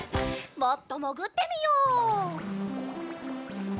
もっともぐってみよう。